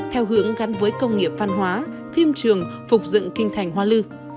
theo hướng gắn với công nghiệp văn hóa thiên trường phục dựng kinh thành hoa lư